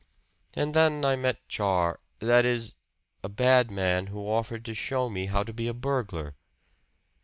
And then I met Char that is, a bad man who offered to show me how to be a burglar."